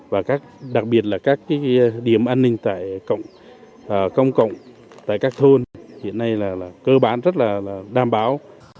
và đặc biệt là các điểm an ninh tại công cộng tại các thôn hiện nay là cơ bản rất là đảm bảo